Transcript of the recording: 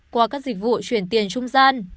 qua các dịch vụ chuyển tiền trung gian